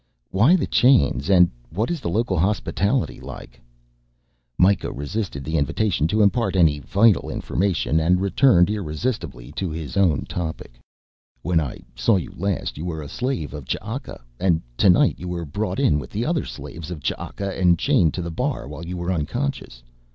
"Why the chains and what is the local hospitality like?" Mikah resisted the invitation to impart any vital information and returned irresistibly to his own topic. "When I saw you last you were a slave of Ch'aka, and tonight you were brought in with the other slaves of Ch'aka and chained to the bar while you were unconscious.